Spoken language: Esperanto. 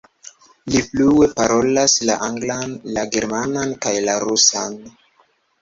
Li flue parolas la anglan, la germanan kaj la rusan.